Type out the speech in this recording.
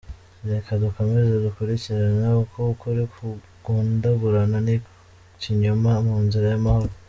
Reka dukomeze dukurikirane uko ukuri kugundagurana n`ikinyoma mu nzira y`amahoro